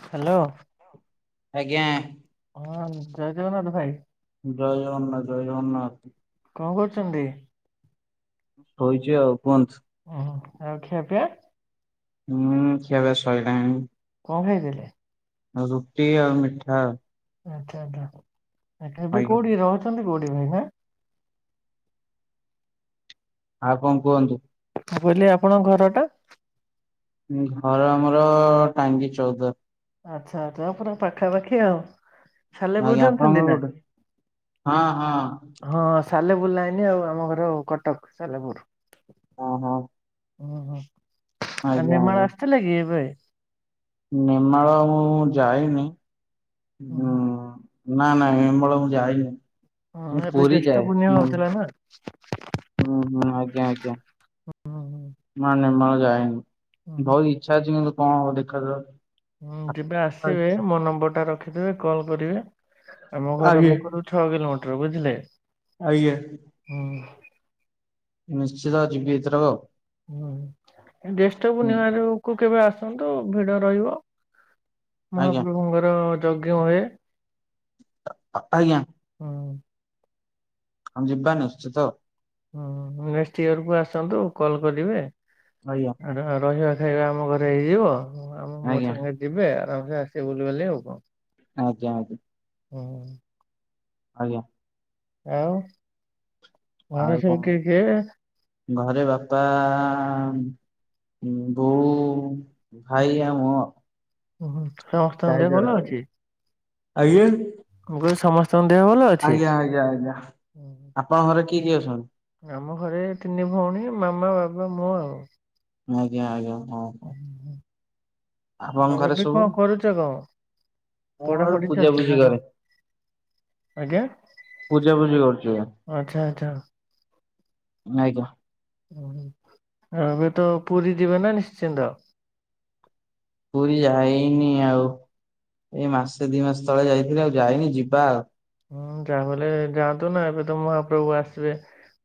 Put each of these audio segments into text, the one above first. Hello. ଆଜ୍ଞା। ହଁ ଜୟ ଜଗନ୍ନାଥ ଭାଇ। ଜୟ ଜଗନ୍ନାଥ ଜୟ ଜଗନ୍ନାଥ। କଣ କରୁଛନ୍ତି? ଶୋଇଛି ଆଉ କୁହନ୍ତୁ। ଓଁ ଆଉ ଖିଆ ପିଆ। ହୁଁ ଖିଆ ପି ଆ ସରିଲାଣି। କଣ ଖାଇଥିଲେ। ରୁଟି ଆଉ ମିଠା। ଆଚ୍ଛା ଆଚ୍ଛା ଏବେ ଆଜ୍ଞା। କୋଉଠି ରହୁଛନ୍ତି କୋଉଠି ଭାଇ ଆଉ କଣ କୁହନ୍ତୁ। ମୁ କହିଲି ଆପଣଙ୍କ ଘର ଟା। ଘର ଆମର ଟାଙ୍ଗି ଚଉଦ। ଆଛା ଆଛା ପୁରା ପାଖାପାଖି ଆଉ। ସାଲେପୁର ଆଜ୍ଞା ଜାଣିଛନ୍ତି ଆପଣଙ୍କର ନା? କଉଡ଼ି ହଁ ହଁ। ହଁ ସାଲେପୁର ଲାଇନି ଆଉ ଆମ ଘର କଟକ ସାଲେପୁର। ଓହୋ। ଓହୋ ଆ ଆଜ୍ଞା ନିେମାଳ ଆସିଥିଲା କି ଏବେ। ନି ମାଳ ମୁଁ ଯାଇନି ହୁଁ। ହଁ ନା ନା ହେମଳ ମୁଁ ଯାାଇନି। ହଁ ଏବେ ଜେଷ୍ଠ ବୁଣିଆ ହଉଥିଲା ନା। ହୁଁ ହୁଁ ଆଜ୍ଞା ଆଜ୍ଞା। ହୁଁ ହୁଁ ନା ନିର୍ମାଳ ହୁଁ ଯାଏନି ହୁଁ। ବହୁତ ଇଚ୍ଛା ଅଛି କିନ୍ତୁ କଣ ହବ ଦେଖା ହୁଁ ଯିବେ ଆସିବେ ମୋ ନମ୍ବର ଟା ରଖିଦବେେ କଲ୍ କରିବେ ଆମ ଘର ପାଖ ଛଅ କିଲୋମିଟର ବୁଝିଲେ। ଆଜ୍ଞା। ହୁଁ। ନିଶ୍ଚିତ ଯିବି ଏଥିରେକୁ ଆଉ। ହୁଁ ଜେଷ୍ଟ ପୁର୍ଣିମା ରେ କୁ କେବେ ଆସନ୍ତୁ ଭିଡ ରହିବ ଆଜ୍ଞା ମହାପ୍ରଭୁଙ୍କର ଯଜ୍ଞ ହୁଏ। [unintelligible] ଆଜ୍ଞା ହଁ। ଆମ ଯିବା ନିଶ୍ଚିତ। ହୁଁ ନେକ୍ସଟ ଇୟର କୁ ଆସନ୍ତୁ କଲ୍ କରିବେ। ଆଜ୍ଞା। ରହିବା ଖାଇବା ଆମ ଘରେ ହେଇଯିବ ଆଜ୍ଞା [unintelligible] ଯିବେ ଆରାମସେ ଆସେ ବୁଲ ବଲି ଆଉ। ଆଜ୍ଞ ଆ ହୁଁ। ଆଜ୍ଞା। ଆଉ। ଘରେ ଆଉ ସବୁ କିଏ କିଏ କଣ ଘରେ ବାପା ବୋଉ ଭାଇ ଆମ ଉଁ ହୁଁ ସମସ୍ତଙ୍କ ଦେ ଭଲ ଅଛି। ଆଜ୍ଞା। ମୁଁ କହିଲି ସମସ୍ତଙ୍କ ଦେହ ଭଲ ଅଛି। ଆଜ୍ଞା ଆଜ୍ଞା ଆଜ୍ଞା ଆପଣଙ୍କ ଘରେ କିଏ କିଏ ଅଛନ୍ତି। ଆମ ଘରେ ତିନି ଭଉଣୀ ମାମା ବାବା ମୁଁ ଆଉ। ଆଜ୍ଞା ଆଜ୍ଞା ହଁ। ହଁ। ହଁଁ ଆପଣଙ୍କ ଘରେ ଏବେ ସବୁ କଣ କରୁଛ କଣ? ମୁଁ ଏବେ ପଢାପଢି ପୂଜା ଚାଲିଛି ପୂଜି ନା କଣ? କରେ ଆଜ୍ଞା ପୂଜା ପୂଜି କରୁଛି ଏବେ ଆଚ୍ଛା ଆଚ୍ଛା। ନାଇକା। ଓ ଏବେ ତ ପୁରୀ ଯିବେ ନା ନିଶ୍ଚିନ୍ତ। ପୁରୀ ଯାଇନି ଆଉ ଏଇ ମାସେ ଦି ମାସ ତଳେ ଯାଇଥିଲି ଆଉ ଯାଇନି ଯିବା ଆଉ। ହୁଁ ଯାହା ବି ହେଲେ ଯାଆନ୍ତୁ ନା ଏବେ ତ ମହାପ୍ରଭୁ ଆସିବେ।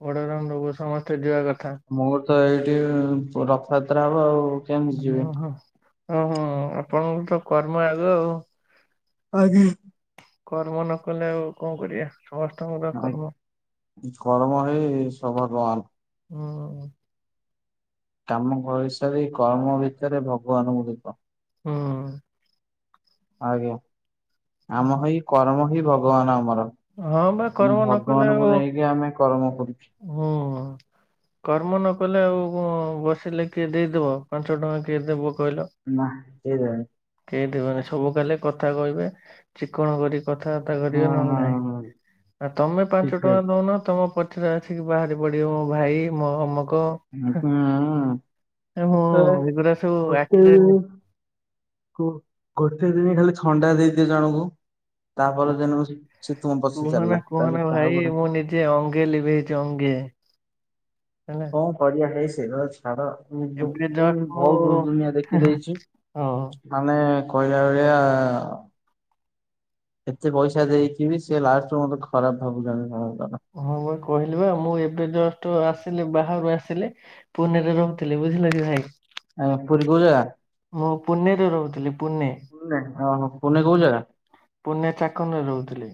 ବଡଦାଣ୍ଡକୁ ସମସ୍ତେ ଯିବା କଥା। ମୋର ତ ଏଇଠି ପ ରଥଯାତ୍ରା ହବ ଆଉ। କେମିତି ଯିବି? ଓହୋ ଓହୋ ଆପଣଙ୍କର ତ କର୍ମ ଆଗ ଆଉ। ଆଜ୍ଞା। କର୍ମ ନ କଲେ ଆଉ କଣ କରିବା। ସମସ୍ତଙ୍କର ଆ କର୍ମ କର୍ମ ହିଁ ସ ଭଗବାନ। ହୁଁ। କାମ କରିସାରି କର୍ମ ଭିତରେ ଭଗବାନଙ୍କୁ ଦେଖ। ହୁଁ। ଆଜ୍ଞା ଆମ ହେଇ କର୍ମ ହିଁ ଭଗବାନ ଆମର। ହଁ ବା ନା କର୍ମ ନ କଲେ ଆଉ ଭଗବାନଙ୍କୁ ନେଇକି ଆମେ କର୍ମ କରୁଛୁ। ହୁଁ। କର୍ମ ନକଲେ ଆଉ କଣ ବସିଲେ କିଏ ଦେଇଦବ ପାଞ୍ଚ ଟଙ୍କା କିଏ ଦେବ କହିଲ। ନା କେହି ଦେବେନି। କେହି ଦେବେନି ସବୁ ଖାଲି କଥା କହିବେ ଚିକଣ କରି କଥାବାର୍ତ୍ତା କରିବେ ହୁଁ ନହେଲେ ନାହିଁ। ହୁଁ ଆ ତମେ ପାଞ୍ଚ ଠିକ୍ ଟଙ୍କା ଦଉନ ତମ ପଛରେ ଆସିକି ବାହାରି ପଡିବେ ମୋ ଭାଇ ମୋ ଅମକ। [unintelligible] ଏ ମୁଁ କୋଉ ଏଗୁରା ସବୁ ଆଖିରେ ନି ଗୋଟେ ଦିନ ଖାଲି ଥଣ୍ଡା ଦେଇଦିଅ ଜଣଙ୍କୁ। ତାପର ଦିନରୁ ସେ ସେ ତୁମ ପଛେ ଚାଲିଲା। ତାପରେ [unintelligible] ଯେ ଅଙ୍ଗେ ଲିଭେଇଛି ଅଙ୍ଗେ ତମେ କଣ କରିବା [unintelligible] ସାରା ଏବେ ଜଷ୍ଟ [unintelligible] ମୁଁ ଦୁନିଆ ଦେଖି ଦେଇଛି। ହଁ ମାନେ କହିଲା ଭଳିଆ ଏତେ ପଇସା ଦେଇକି ବି ସେ ଲାଷ୍ଟକୁ ମତେ ଖରାପ ଭାବୁଛନ୍ତି [unintelligible] ହଁ ବା କହିଲି ବା ମୁଁ ଏବେ ଜଷ୍ଟ ଆସିଲି ବାହାରୁ ଆସିଲି ପୁନେରେ ରହୁଥିଲି ବୁଝିଲ କି ଭାଇ। [unintelligible] ମୁଁ ପୁନେରେ ରହୁଥିଲି ପୁନେ। ପୁନେ? କୋଉ ଜାଗା? ପୁନେ ଚାକନ୍ ରେ ରହୁଥିଲି।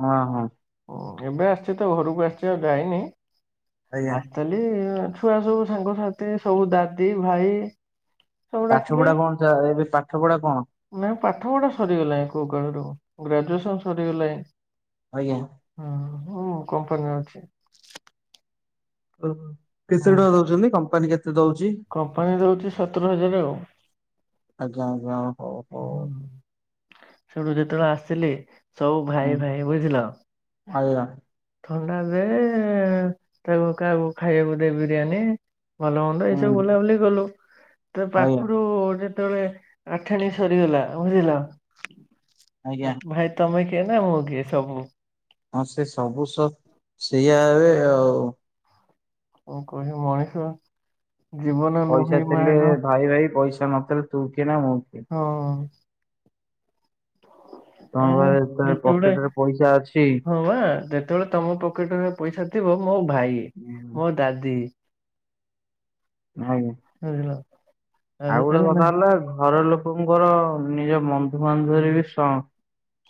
ହଁ ହଁ ଉଁ ଏବେ ଆସିଛି ତ ଘରକୁ ଆସିଛି ଆଉ ଯାଇନି। ଆଜ୍ଞା। ଆ ଲି ଛୁଆ ସବୁ ସାଙ୍ଗସାଥି ସବୁ ଦାଦି ଭାଇ। ସବୁ ଡାକିଲେ ପାଠପଢା କଣ ଚା ଏବେ ପାଠପଢା କଣ? ନାଇଁ ପାଠ ପଢ଼ା ସରିଗଲାଣି କଉ କାଳରୁ ଗ୍ରାଜୁଏସନ୍ ସରିଗଲାଣି। ଆଜ୍ଞା। ହୁଁ ମୁଁ କମ୍ପାନୀରେ ଅଛି। ଓ କେତେ ହଁ ଟଙ୍କା ଦଉଛନ୍ତି କମ୍ପାନୀ କେତେ ଦଉଛି? କମ୍ପାନୀ ଦଉଛି ସତର ହଜାର ଆଉ। ଆଜ୍ଞା ଆଜ୍ଞା ହଉ ହଉ। ହୁଁ। ସେଇଠୁ ଯେତବଳେ ଆସିଲି ସବୁ ଭାଇ ହୁଁ ଭାଇ ବୁଝିଲ? ଆଜ୍ଞା ଥଣ୍ଡା ଦେ ଏ ତାକୁ କାହାକୁ ଖାଇଆକୁ ଦେ ବିରିୟାନୀ। ଭଲ ମନ୍ଦ ଏଇସବୁ ହୁଁ ବୁଲାବୁଲି କଲୁ। ତ ଆଜ୍ଞା ପାଖୁରୁ ଯେତବଳେ ଠାଣି ସରିଗଲା ବୁଝିଲ? ଆଜ୍ଞା ଭାଇ ତମେ କିଏ ନା ମୁଁ କିଏ ସବୁ। ହଁ ସେ ସବୁ ସ ସେଇଆ ଏବେ ଆଉ। କଣ କହିବୁ ମଣିଷ। ଜୀବନ ପଇସା ନୁହେଁ ମା ଥିଲେ ଲୋ ଭାଇ ଭାଇ ପଇସା ନଥିଲେ ତୁ କିଏ ନା ମୁଁ କିଏ। ହଁ। ତମ ଆ ଘରେ ଯେତେବେଳେ ଯେତେ ଗୁଡେ, ପକେଟରେ ପଇସା ଅଛି ହଁ ବା ଯେ ଯେତବଳେ ତମ ପକେଟେ ରେ ପଇସା ଥିବ ମୋ ଭାଇ। ହୁଁ। ମୋ ଦାଦି। ଆଜ୍ଞା। ହାଲୋ। ଆଉ ଗୋଟେ କଥା ହେଲା ଘର ଲୋକଙ୍କର ନିଜ ବନ୍ଧୁବାନ୍ଧବରେ ବି ସ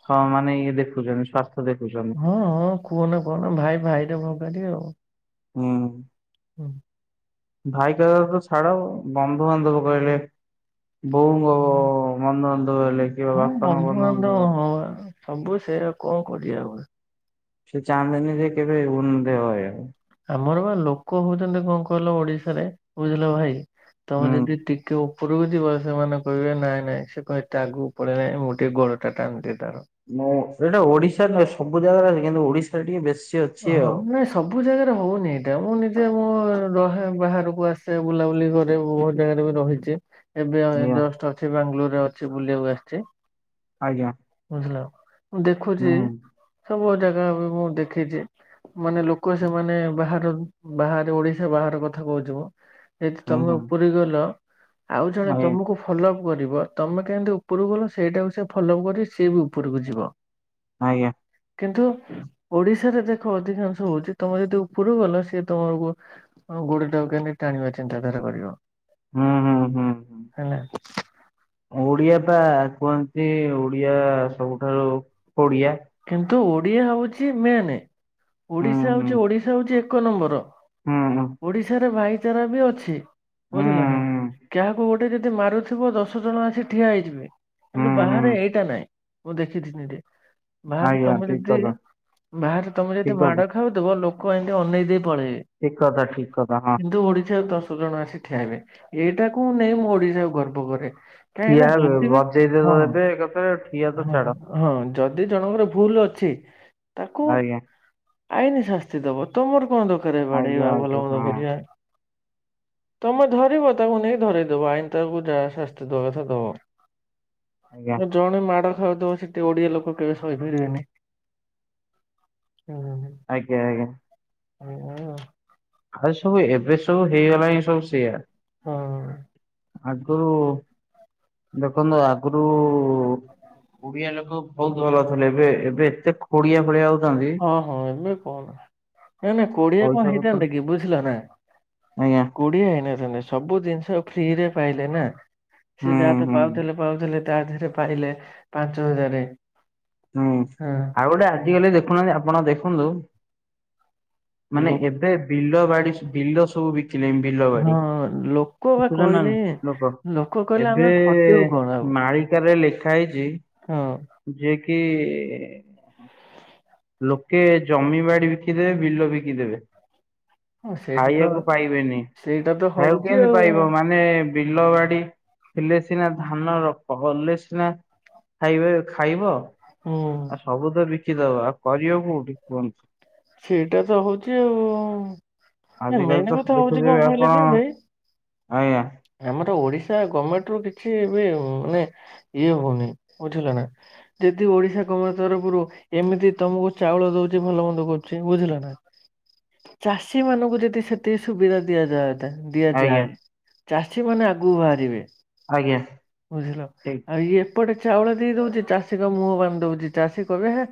ହଁ ମାନେ ଇଏ ଦେଖୁଚନ୍ତି ସ୍ବାସ୍ଥ୍ୟ ଦେଖୁଚନ୍ତି। ହଁ ହଁ କୁହନା କୁହନା ଭାଇ ଭାଇରେ ଭଗାରି ଆଉ। ହୁଁ, ହୁଁ। ଭାଇ କଥା ତ ଛାଡ ବନ୍ଧୁବାନ୍ଧବ କହିଲେ ହଁ ବନ୍ଧୁବାନ୍ଧବ [unintelligible] ହଁ ବା ସବୁ ସେ ଆଉ କଣ କରିଆ ଆମେ। ସେ ଚାନ୍ଦାନୀରେ କେବେ ଉନ୍ନତି ହଏନି। ଆମର ବା ଲୋକ ହଉଚନ୍ତି କଣ କହିଲ ଓଡିଶାରେ ବୁଝିଲ ଭାଇ ତମେ ହୁଁ ଯଦି ଟିକେ ଓ ଉପୁରୁକୁ ଯିବ। ସେମାନେ କହିବେ ନାଇଁ ନାଇଁ ସେ କଣ ଏତେ ଆଗୁକୁ ପଳେଇଲାଇଁ ମୁଁ ଟିକେ ଗୋଡଟା ଟାଣିଦିଏ ତାର। ମୁଁ, ଏଇଟା ଓଡିଶା ହଏ ସବୁ ଜାଗାରେ ହଏ କିନ୍ତୁ ଓଡିଶାରେ ଟିକେ ବେଶୀ। ଅଛି ଆଉ। ହଁ। ସବୁ ଜାଗାରେ ହଉନି ଏଇଟା। ମୁଁ ନିଜେ ମୋ ରହେ ବାହାରୁକୁ ଆସେ ବୁଲାବୁଲି କରେ ବହୁତ୍ ଜାଗାରେ ବି ରହିଚି। ଏବେ ଆଜ୍ଞା। ଜଷ୍ଟ ଅଛି ବାଙ୍ଗାଲୋରରେ ଅଛି ବୁଲିଆକୁ ଆସିଚି। ଆଜ୍ଞା। ବୁଝିଲ ମୁଁ ହୁଁ ଦେଖୁଚି ସବୁ ଜାଗା ବି ମୁଁ ଦେଖିଚି। ମାନେ ଲୋକ ସେମାନେ ବାହାର ବାହାରେ ଓଡିଶା ବାହାର କଥା କହୁଥିବ। ଏଇଠି ହୁଁ ତମେ ହୁଁ ଉପୁୁରି ଗଲ ଆଉ ଜଣେ ଆଜ୍ଞା ତମୁକୁ ଫଲୋଅପ୍ କରିବ। ତମେ କେମିତି ଉପୁରୁକୁ ଗଲ ସେଇଟାକୁ ସେ ଫଲୋଅପ୍ କରି ସିଏ ବି ଉପୁରୁକୁ ଯିବ। ଆଜ୍ଞା। କିନ୍ତୁ ଓଡିଶାରେ ଦେଖ ଅଧିକାଂଶ ହଉଚି ତମେ ଯଦି ଉପୁରୁକୁ ଗଲ ସିଏ ତମର ଗୋ ତମ ଗୋଡଟାକୁ କେମିତି ଟାଣିବା ଚିନ୍ତାଧାରା କରିବ। ହୁଁ ହୁଁ ହୁଁ। ହୁଁ। ହେଲା। ଓଡିଆ ବା କୁହନ୍ତି ଓଡିଆ ସବୁଠାରୁ ପୋଡ଼ିଆ। କିନ୍ତୁ ଓଡିଆ ହଉଚି ମେନେ। ହୁଁ ଓଡିଶା ହୁଁ ହଉଚି ଓଡିଶା ହଉଚି ଏକ ନମ୍ବର। ହୁଁ ହୁଁ। ଓଡିଶାରେ ଭାଇଚାରା ବି ଅଛି, ହୁଁ ବୁଝିଲ ନା କାହାକୁ ଗୋ ଗୋଟେ ଯଦି ମାରୁଥିବ ଦଶ ଜଣ ଆସି ଠିଆ ହେଇଯିବେ, ହୁଁ ହୁଁ କିନ୍ତୁ ହୁଁ ବାହାରେ ଏଇଟା ନାହିଁ। ମୁଁ ଦେଖି [unintelligible] ବାହାରେ ଆଜ୍ଞା ତମେ ଠିକ ଯଦି କଥା ବାହାରେ ତମେ ଯଦି ଠିକ ମାଡ଼ କଥା ଖାଉଥିବ ଲୋକ ଏମିତି ଅନେଇ ଦେଇ ପଳେଇବେ। ଠିକ କଥା, ଠିକ କଥା ହଁ। କିନ୍ତୁ ଓଡିଶା ଦଶ ଜଣ ଆସି ଠିଆହେବେ ଏଇଟାକୁ ନେଇ ମୁଁ ଓଡିଶାକୁ ଗର୍ବ କରେ। କାହିଁକ ଠିଆ ନା ହେବେ ଯଦି [unintelligible] ବଜେଇ ତ ହଁ। ଦେବେ ଏକାଥରେ ଠିଆ ତ ଛାଡ ହଁ ଯଦି ଜଣଙ୍କର ଭୁଲ ଅଛି ତାକୁ ଆଜ୍ଞା ଆଇନି ଶାସ୍ତି ଦବ ତମର କଣ ଦରକାର ଆଜ୍ଞା ବାଡେଇବା ଆଜ୍ଞା ଭଲ ହଁ ମନ୍ଦ କରିବା। ତମେ ଧରିବ ତାକୁ ନେଇକି ଧରେଇଦବ ଆଇନ୍ ତାକୁ ଯାହା ଶାସ୍ତି ଦବା କଥା ଦବ। ଆଜ୍ଞା ଆ ଜଣେ ମାଡ ଖାଉଥିବ ସେଠି ଓଡିଆ [unintelligible] କେବେ ସହିପାରିବିନି ହୁଁ। ଆଜ୍ଞା ଆଜ୍ଞା। ହୁଁ। ଆଉ ସବୁ ଏବେ ସବୁ ହେଇଗଲାଣି ସବୁ ସେଇଆ। ହୁଁ। ଆଗରୁ ଦେଖନ୍ତୁ ଆଗରୁ ଓଡିଆ ଲୋକ ବହୁତ ଭଲଥିଲେ ଏବେ ଏବେ ଏତେ ଖୋଡି ଭଳିଆଉ ହଁ ହଁ ଏବେ କଣ ନ ନାଇଁ କୋଡିଆ କଣ ପଇସା ପତ୍ର ହେଇଥାନ୍ତା କି ବୁଝିଲ ନା। ଆଜ୍ଞା କୁଡିଆ ହେଇନଥାନ୍ତେ, ସବୁ ଜିନିଷ ଫ୍ରିରେ ପାଇଲେ ନା ସେ ହୁଁ ଯାହା ତ ହୁଁ ପାଉଥିଲେ ପାଉଥିଲେ ତା ଦେରେ ପାଇଲେ ପାଞ୍ଚ ହଜାରେ। ହୁଁ ଆଉ ଗୋଟେ ଆଜିକାଲି ଦେଖୁନାହାନ୍ତି ଆପଣ ଦେଖନ୍ତୁ ହଁ। ମାନେ ଏବେ ବିଲ ବାଡି ବିଲ ସବୁ ବିକିଲେଣି। ବିଲବାଡି ହଁ ଲୋକ ବା ଦେଖୁଛ ନା କହିଲେ ଲୋକ କହିଲେ ଆମେ ଏବେ ଖଟିବୁ କଣ ଆଉ ମାଳି ରେ ଲେଖା ହେଇଛି ହଁ। ଯେ କିି ଲୋକେ ଜମି ବାଡି ବିକିଦେବେ ବିଲ ବିକିଦେବେ। ହଁ ସେଇଟା ତ ଖାଇବାକୁ ପାଇବେନି, ସେଇଟା ତ ଖାଇବାକୁ ହଉଛି କେମିତି ଆଉ ପାଇବ ମାନେ ବିଲ ବାଡି ଥିଲେ ସିନା ଧାନ ର କଲେ ସିନା ଖାଇବେ ଖାଇବ ଆଉ ହଁ। ସବୁ ତ ବିକିଦବ ଆଉ କରିବ କୋଉଠି କୁହନ୍ତୁ। ସେଇଟା ତ ହଉଛି ଆଉ ଏ ଆଜିକାଲି ମେନ୍ ତ କଥା ହଉଛି ଦେଖୁଥିବେ କଣ କହିଲେ ଆପଣ କି ଭାଇ ଆଜ୍ଞା। ଆମର ଓଡିଶା ଗମେଣ୍ଟ ରୁ କିଛି ଏବେ ମାନେ ଇଏ ହୋଉନି ବୁଝିଲ ନା। ଯଦି ଓଡ଼ିଶା ଗମେଣ୍ଟ ତରଫରୁ ଏମିତି ତମକୁ ଚାଉଳ ଦୋଉଛି ଭଲ ମନ୍ଦ କରୁଛି ବୁଝିଲ ନା ଚାଷୀ ମାନଙ୍କୁ ଯଦି ସେତିକି ସୁବିଧା ଦିଆଯାନ୍ତା ଆଜ୍ଞା ଦିଆଯାଏ ଚାଷୀ ମାନେ ଆଗକୁ ବାହାରିବେ। ଆଜ୍ଞା। ବୁଝିଲ ଠିକ। ଆଉ ଇଏ ଏପଟେ ଚାଉଳ ଦେଇ ଦୋଉଛି ଚାଷୀଙ୍କ ମୁହଁ ପାଇଁ ଦୋଉଛି ଚାଷୀ କହିବେ ହେ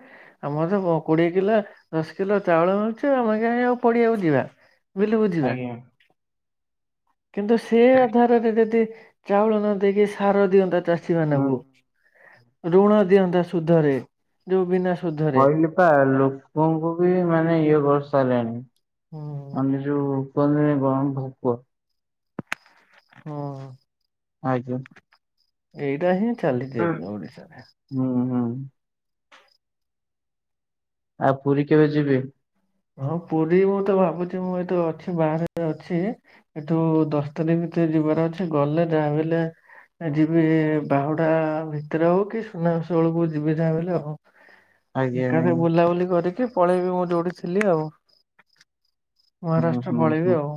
ଆମର ତ କୋଡିଏ କିଲୋ ଦଶ କିଲୋ ଚାଉଳ ମିଳୁଛି ଆମେ ଆଉ ପଡିଆକୁ ଯିବା। ବିଲକୁ ଯିବା। ଆଜ୍ଞା କିନ୍ତୁ ସେ ଆଧାରରେ ଯଦି ଚାଉଳ ନ ଦେଇକି ସାର ଦିଅନ୍ତା ଚାଷୀ ହୁଁ। ମାନଙ୍କୁ ଋଣ ଦିଅନ୍ତା ସୁଧରେ ଯୋଉ ବିନା ସୁଧରେ କହିଲି ପା ଲୋକଙ୍କୁ ବି ମାନେ ଇଏ କରିସାରିଲାଣି ହଁ [inaudible] ଆମେ ଯଉ [unintelligible] ହଁ ଆଜ୍ଞା ଏଇଟା ହିଁ ଚାଲିଛି ଏବେ ଓଡିଶାରେ। ହୁଁ ହୁଁ ଆଉ ପୁରୀ କେବେ ଯିବେ? ହଁ ପୁରୀ ମୁଁ ତ ଭାବୁଛି ମୁଁ ଏତେ ଅଛି ବାହାରେ ଅଛି। ଏଠୁ ଦଶ ତାରିଖ ଭିତରେ ଯିବାର ଅଛି ଗଲେ ଯାହା ବି ହେଲେ। ଯିବି ବାହୁଡା ଭିତରେ ହଉ କି ସୁନାବେଶ ବେଳକୁ ଯିବି ଯାହା ବଲେ ହଉ। [inaudible] ଆଜ୍ଞା ଏକାଥି ଆଜ୍ଞା ବୁଲାବୁଲି କରିକି ପଳେଇବି ମୁଁ ଯୋଉଠି ଥିଲି ଆଉ। ହୁଁ ମହାରାଷ୍ଟ୍ର ହୁଁ ପଳେଇବି ହୁଁ ଆଉ।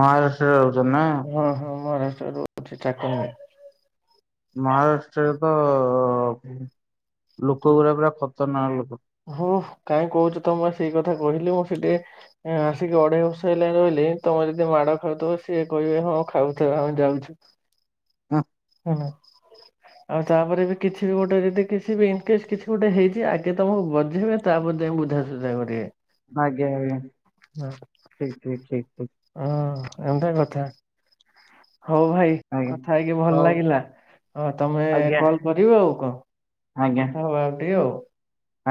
ମହାରାଷ୍ଟ୍ରରେ ରହୁଚ ନା? ହଁ ହଁ ମହାରାଷ୍ଟ୍ର ରହୁଛି ଚା ମହାରାଷ୍ଟ୍ରରେ ତ ଲୋକ ଗଡା ପୁରା ଖତରନାକ ଲୋକ ହଁ କାଇହିଁ କହୁଛ ତମ ସେଇ କଥା କହିଲି ମୁଁ ସେଠି ଏ ଆସିକି ଅଢେଇ ବଷ ହେଲାଣି ରହିଲି ତମେ ଯଦି ମାଡ଼ ଖାଉଥିବ ସିଏ କହିବେ ହଁ ଖାଉଥିବ ଆମେ ଯାଉଛୁ। ହ [inaudible] ଆଉ ତାପରେ ବି କିଛି ବି ଗୋଟେ ଯଦି କିଛି ବି ଇନକସ୍ କିଛି ଗୋଟେ ହେଇଛି ଆଗେ ତମକୁ ବଜେଇବେ ତାପରେ ତଙ୍କେ ବୁଝା ସୁୁଝା କରିବେ। ଆଜ୍ଞା ଆଜ୍ଞା ଠିକ ଠିକ ଠିକ ଠିକ। ହଁ ଏମିତି କଥା ହଉ ଭାଇ ଆଜ୍ଞା କଥା ହେଇକି ଭଲ ହଉ ଲାଗିଲା ହ ତମେ ଆଜ୍ଞା କଲ କରିବ ଆଉ କଣ। ଆଜ୍ଞା କଥା ହବା ଆଉ ଟିକେ ଆଉ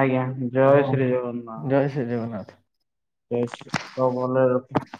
ଆଜ୍ଞା ଜୟ ହଁ ଶ୍ରୀ ହଁ ଜୟ ଶ୍ରୀ ଜଗନ୍ନାଥ। ବେଶ ତ ଭଲ ରଖ [unintelligible]